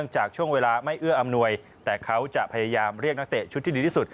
จากช่วงเวลาไม่เอื้ออำนวยแต่เขาจะพยายามเรียกนักเตะชุดที่ดีที่สุด